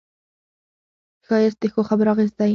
ښایست د ښو خبرو اغېز دی